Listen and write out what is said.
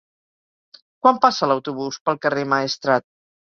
Quan passa l'autobús pel carrer Maestrat?